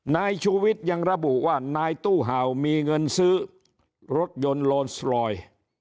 นายชูวิทย์ยังระบุว่านายตู้เห่ามีเงินซื้อรถยนต์โลนสตรอย